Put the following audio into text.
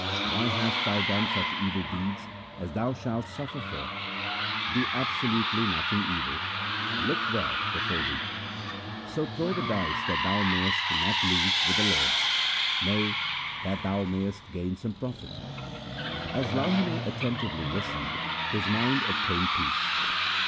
Why hast thou done such evil deeds as thou shalt suffer for ? Do absolutely nothing evil ; look well before thee. So throw the dice that thou mayest not lose with the Lord, Nay, that thou mayest gain some profit. 1 As Lahina attentively listened, his mind obtained peace.